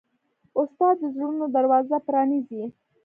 استاد د زړونو دروازه پرانیزي.